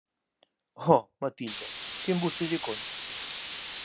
Oh, Matilda, que embustes lle contas!